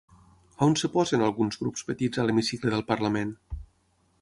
On es posen alguns grups petits a l'hemicicle del Parlament?